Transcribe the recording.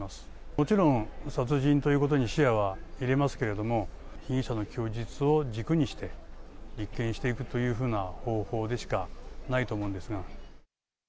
もちろん、殺人ということを視野には入れますけれども、被疑者の供述を軸にして、立件していくというふうな方法でしかないと思うんですが。